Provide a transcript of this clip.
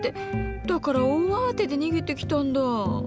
だから大慌てで逃げてきたんだ。